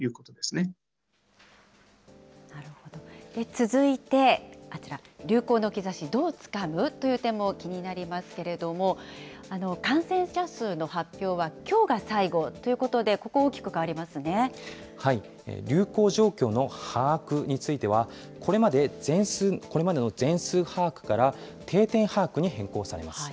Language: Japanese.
続いてあちら、流行の兆し、どうつかむ？という点も気になりますけれども、感染者数の発表はきょうが最後ということで、ここ、大きく変わり流行状況の把握については、これまでの全数把握から定点把握に変更されます。